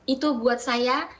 itu buat saya